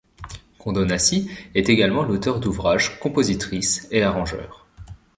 Kondonassis est également l'auteur d'ouvrage, compositrice et arrangeur.